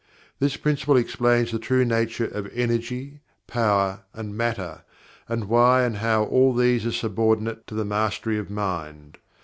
This Principle explains the true nature of "Energy," "Power," and "Matter," and why and how all these are subordinate to the Mastery of Mind.